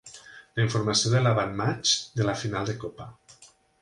La informació de l'avantmatx de la final de copa.